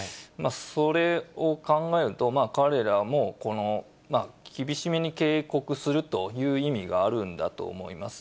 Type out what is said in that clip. それを考えると、彼らも厳しめに警告するという意味があるんだと思います。